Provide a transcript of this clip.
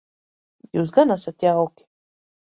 Jūs gan esat jauki.